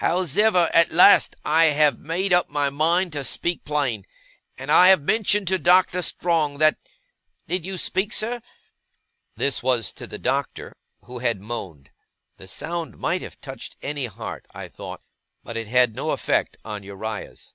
Hows'ever, at last I have made up my mind to speak plain; and I have mentioned to Doctor Strong that did you speak, sir?' This was to the Doctor, who had moaned. The sound might have touched any heart, I thought, but it had no effect upon Uriah's.